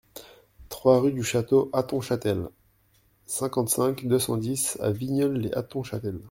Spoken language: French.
trois rue du Château à Hattonchâtel, cinquante-cinq, deux cent dix à Vigneulles-lès-Hattonchâtel